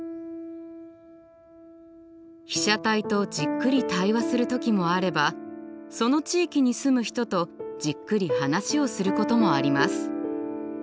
被写体とじっくり対話する時もあればその地域に住む人とじっくり話をすることもあります。